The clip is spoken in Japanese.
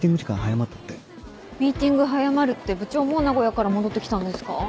ミーティミーティング早まるって部長もう名古屋から戻ってきたんですか？